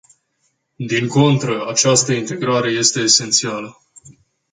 Din contră, această integrare este esențială!